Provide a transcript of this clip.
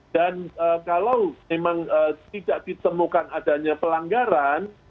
dan kalau memang tidak ditemukan adanya pelanggaran